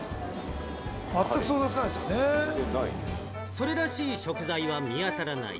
それらしい食材は見当たらない。